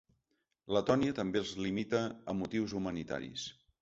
Letònia també els limita a motius humanitaris.